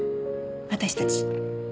私たち